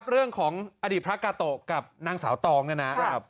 เรื่องของอดีตพระกาโตะกับนางสาวตองเนี่ยนะ